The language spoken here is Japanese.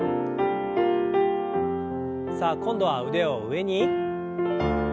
さあ今度は腕を上に。